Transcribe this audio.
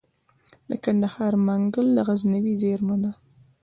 د کندهار منگل د غزنوي زیرمه ده